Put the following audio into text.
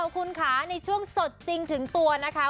คุณค่ะในช่วงสดจริงถึงตัวนะคะ